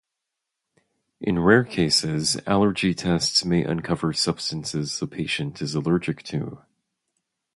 In rare cases, allergy tests may uncover substances the patient is allergic to.